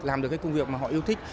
làm được cái công việc mà họ yêu thích